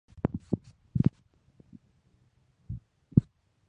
Raramente se usan solas.